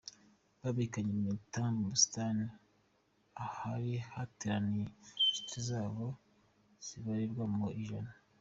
Bambikaniye impeta mu busitani ahari hateraniye inshuti zabo zibarirwa mu ijana.